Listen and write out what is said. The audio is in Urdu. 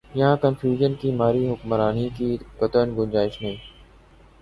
یہاں کنفیوژن کی ماری حکمرانی کی قطعا گنجائش نہیں۔